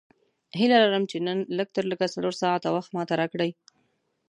هیله لرم چې نن لږ تر لږه څلور ساعته وخت ماته راکړې.